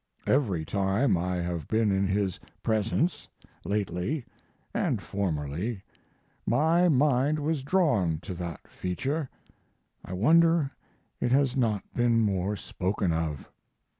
Every time I have been in his presence lately and formerly my mind was drawn to that feature. I wonder it has not been more spoken of.